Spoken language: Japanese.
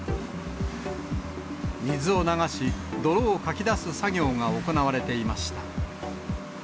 水を流し、泥をかき出す作業が行われていました。